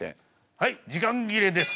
はい時間切れですね。